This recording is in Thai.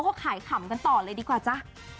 เขาขายขำกันต่อเลยดีกว่าจ๊ะ